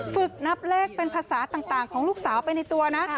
ฝึกนับเลขเป็นภาษาต่างของลูกสาวไปในตัวนะ